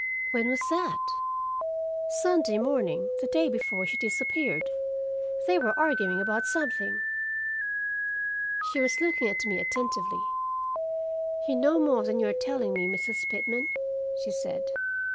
"When was that?" "Sunday morning, the day before she disappeared. They were arguing something." She was looking at me attentively. "You know more than you are telling me, Mrs. Pitman," she said.